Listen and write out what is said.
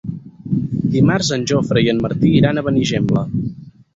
Dimarts en Jofre i en Martí iran a Benigembla.